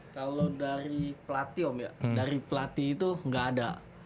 kalau dari pelatih om ya dari pelatih itu nggak ada